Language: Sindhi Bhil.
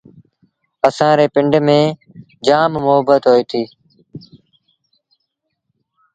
اسآݩ ريٚ پنڊ ميݩ جآم مهبت هوئيٚتي۔